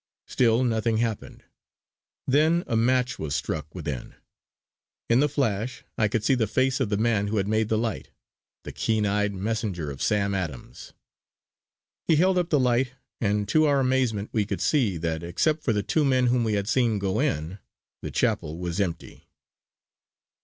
Still nothing happened. Then a match was struck within. In the flash I could see the face of the man who had made the light the keen eyed messenger of Sam Adams. He held up the light, and to our amazement we could see that, except for the two men whom we had seen go in, the chapel was empty.